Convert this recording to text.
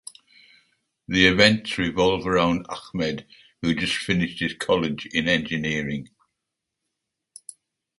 The events revolve around (Ahmed) who just finished his college in engineering.